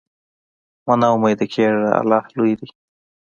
مه نا امیده کېږه، الله لوی دی.